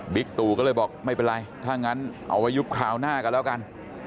ตู่ก็เลยบอกไม่เป็นไรถ้างั้นเอาไว้ยุบคราวหน้ากันแล้วกัน